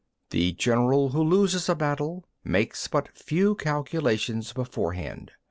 The general who loses a battle makes but few calculations beforehand.